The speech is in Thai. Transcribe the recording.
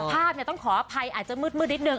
ภาพต้องขออภัยอาจจะมืดนิดนึ